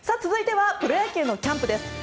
続いてはプロ野球のキャンプです。